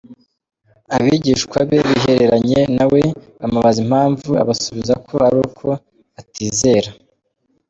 Abigishwa be bihereranye na we bamubaza impamvu, abasubiza ko ari uko batizera.